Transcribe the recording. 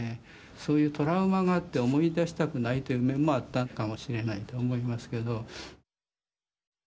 そういうトラウマがあって思い出したくないという面もあったかもしれないと思いますけど。